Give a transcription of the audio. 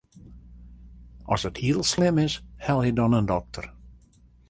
As it heel slim is, helje dan in dokter.